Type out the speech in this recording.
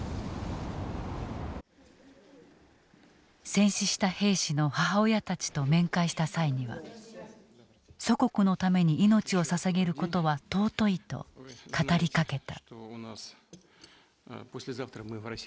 戦死した兵士の母親たちと面会した際には祖国のために命をささげることは尊いと語りかけた。